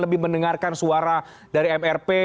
lebih mendengarkan suara dari mrp